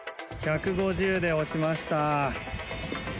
１５０で押しました。